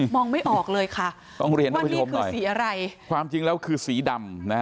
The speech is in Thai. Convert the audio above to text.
ไม่ออกเลยค่ะต้องเรียนว่าคือสีอะไรความจริงแล้วคือสีดำนะฮะ